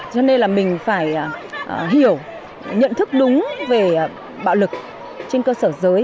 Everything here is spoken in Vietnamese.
cho nên là mình phải hiểu nhận thức đúng về bạo lực trên cơ sở giới